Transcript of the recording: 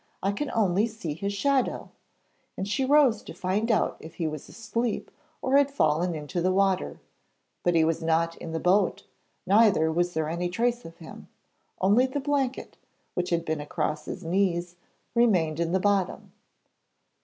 'I can only see his shadow,' and she rose to find out if he was asleep or had fallen into the water. But he was not in the boat, neither was there any trace of him. Only the blanket, which had been across his knees, remained in the bottom.